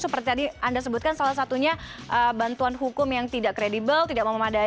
seperti tadi anda sebutkan salah satunya bantuan hukum yang tidak kredibel tidak memadai